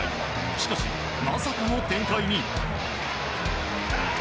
しかし、まさかの展開に。